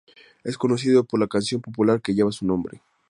Es conocido por la canción popular que lleva su nombre.